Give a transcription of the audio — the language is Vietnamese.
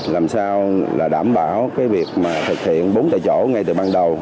làm sao đảm bảo việc thực hiện bốn tài chỗ ngay từ ban đầu